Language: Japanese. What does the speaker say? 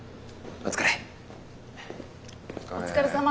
お疲れさま。